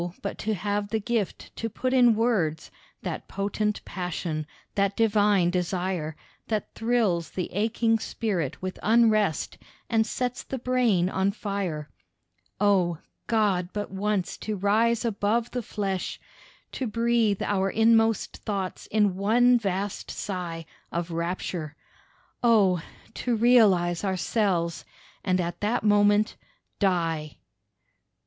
but to have the gift to put in words, That potent passion, that divine desire, That thrills the aching spirit with unrest And sets the brain on fire. Oh! God, but once to rise above the flesh, To breathe our inmost thoughts in one vast sigh Of rapture. Oh! to realise ourselves, And at that moment ... die.